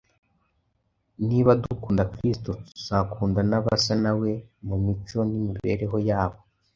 Niba dukunda Kristo, tuzakunda n’abasa na We mu mico n’imibereho yabo.